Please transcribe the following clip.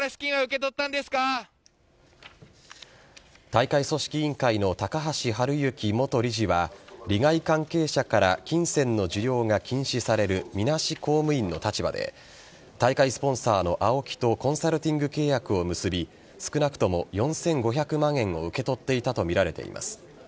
大会組織委員会の高橋治之元理事は利害関係者から金銭の受領が禁止されるみなし公務員の立場で大会スポンサーのＡＯＫＩとコンサルティング契約を結び少なくとも４５００万円を受け取っていたとみられています。